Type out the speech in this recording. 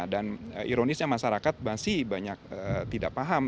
dan ironisnya masyarakat masih banyak tidak paham